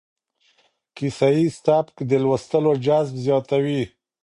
کيسه ييز سبک د لوستلو جذب زياتوي.